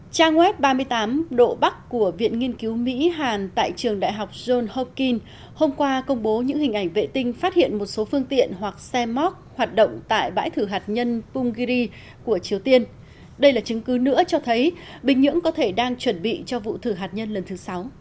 trang web ba mươi tám độ bắc của viện nghiên cứu mỹ hàn tại trường đại học john hokin hôm qua công bố những hình ảnh vệ tinh phát hiện một số phương tiện hoặc xe móc hoạt động tại bãi thử hạt nhân punggiri của triều tiên đây là chứng cứ nữa cho thấy bình nhưỡng có thể đang chuẩn bị cho vụ thử hạt nhân lần thứ sáu